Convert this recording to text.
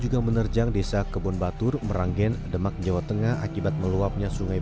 juga menerjang desa kebon batur meranggen demak jawa tengah akibat meluapnya sungai